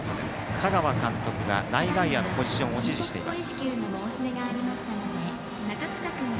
香川監督が内外野のポジションを指示しています。